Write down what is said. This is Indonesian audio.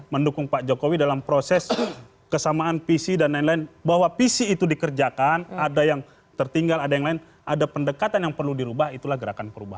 mendukung pak jokowi dalam proses kesamaan visi dan lain lain bahwa visi itu dikerjakan ada yang tertinggal ada yang lain ada pendekatan yang perlu dirubah itulah gerakan perubahan